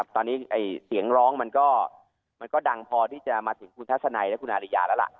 ตอนนี้เสียงร้องมันก็ดังพอที่จะมาถึงคุณทัศนัยและคุณอาริยาแล้วล่ะ